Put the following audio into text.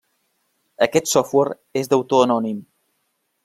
Aquest software és d'autor anònim.